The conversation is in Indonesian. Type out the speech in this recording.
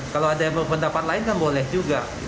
kalau ada yang berpendapat lain kan boleh juga